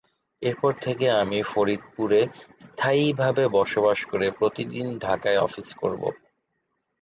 এরপর থেকে আমি ফরিদপুরে স্থায়ীভাবে বসবাস করে প্রতিদিন ঢাকায় অফিস করব।